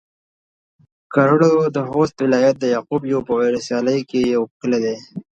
کرړو د خوست ولايت د يعقوبيو په ولسوالۍ کې يو کلی دی